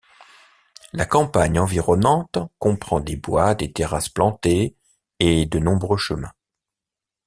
La campagne environnante comprend des bois, des terrasses plantées, et de nombreux chemins.